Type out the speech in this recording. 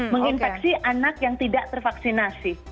menginfeksi anak yang tidak tervaksinasi